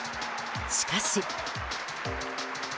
しかし。